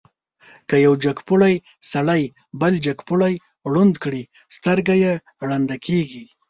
که یو جګپوړی سړی بل جګپوړی ړوند کړي، سترګه یې ړنده کېږي.